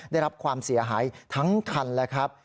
ได้รับความเสียหายทั้งคันแล้วครับ